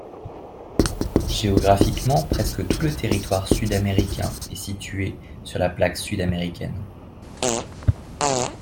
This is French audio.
Géographiquement, presque tout le territoire sud-américain est situé sur la plaque sud-américaine.